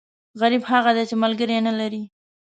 غریب هغه دی، چې ملکری نه لري.